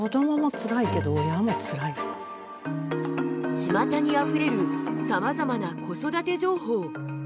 ちまたにあふれるさまざまな子育て情報。